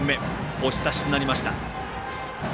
押し出しとなりました。